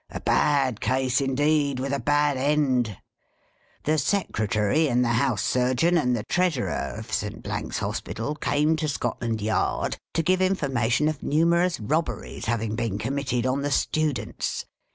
A bad case, indeed, with a bad end ! "The Secretary, and the House Surgeon, and the Treasurer, of Saint Blank's Hospital, came to Scotland Yard to give information of numerous robberies having been committed on the students.